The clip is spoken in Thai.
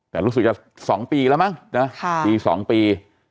แต่รู้สึกจะสองปีแล้วมั้งปีสองปี